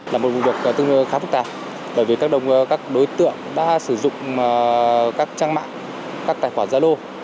là một vùng vực khá phức tạp bởi vì các đối tượng đã sử dụng các trang mạng các tài khoản gia lô